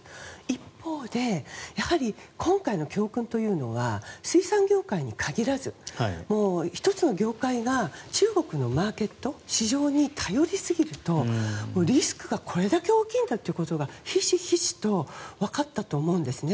一方で、やはり今回の教訓というのは水産業界に限らず１つの業界が中国のマーケット市場に頼りすぎると、リスクがこれだけ大きいんだということがひしひしと分かったと思うんですね。